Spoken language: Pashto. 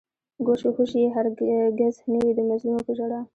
گوش و هوش يې هر گِز نه وي د مظلومو په ژړا